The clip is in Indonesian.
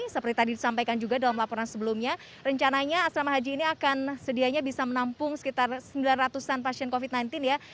seperti tadi disampaikan juga dalam laporan sebelumnya rencananya asrama haji ini akan sedianya bisa menampung sekitar sembilan ratus an pasien covid sembilan belas ya